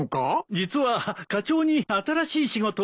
実は課長に新しい仕事を任されまして。